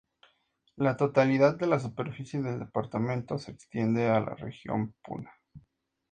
La totalidad de la superficie del departamento se extiende en la región puna.